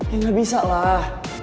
ya gak bisa lah